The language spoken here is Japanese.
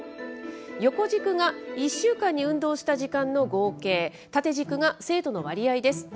横軸が１週間に運動した時間の合計、縦軸が生徒の割合です。